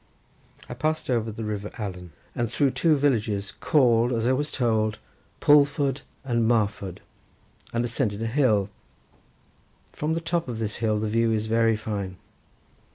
I passed over the river Allan and through two villages called, as I was told, Pulford and Marford, and ascended a hill; from the top of this hill the view is very fine.